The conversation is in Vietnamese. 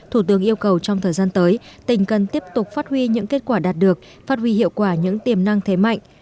thủ tướng yêu cầu trong thời gian tới tỉnh cần tiếp tục phát huy những kết quả đạt được phát huy hiệu quả những tiềm năng thế mạnh